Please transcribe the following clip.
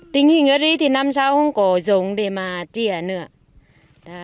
tính hình ở đây thì năm sau không có giống để mà chỉa nữa